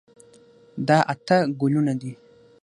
دا اته ګلونه دي.